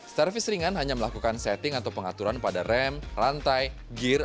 servis ringan hanya melakukan setting atau pengaturan pada rem rantai gear